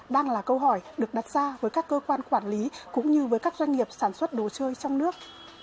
đang là câu hỏi được đặt ra với các cơ quan quản lý cũng như với các doanh nghiệp sản xuất đồ chơi trong nước